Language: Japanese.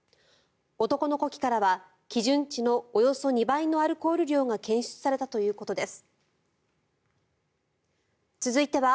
男の呼気からは基準値のおよそ２倍のアルコール量が検出されたということです。